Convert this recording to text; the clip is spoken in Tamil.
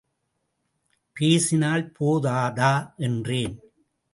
பேசினால் போதாதா? என்றேன்.